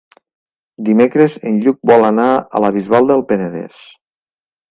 Dimecres en Lluc vol anar a la Bisbal del Penedès.